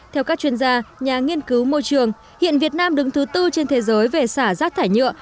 theo các chuyên gia nhà nghiên cứu môi trường hiện việt nam đứng thứ tư trên thế giới về xả rác thải nhựa